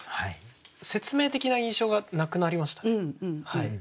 説明的な印象がなくなりましたね。